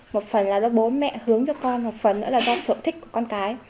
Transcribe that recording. một phần là do bố mẹ hướng cho con một phần nữa là do sở thích của con cái